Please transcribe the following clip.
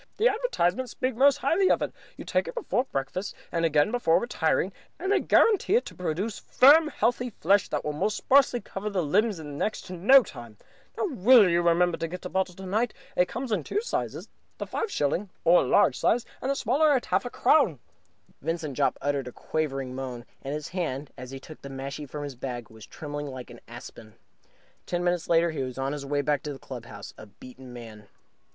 The advertisements speak most highly of it. You take it before breakfast and again before retiring, and they guarantee it to produce firm, healthy flesh on the most sparsely covered limbs in next to no time. Now, will you remember to get a bottle tonight? It comes in two sizes, the five shilling (or large size) and the smaller at half a crown. G. K. Chesterton writes that he used it regularly for years." Vincent Jopp uttered a quavering moan, and his hand, as he took the mashie from his bag, was trembling like an aspen. Ten minutes later, he was on his way back to the club house, a beaten man.